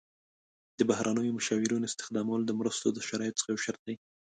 د بهرنیو مشاورینو استخدامول د مرستو د شرایطو څخه یو شرط دی.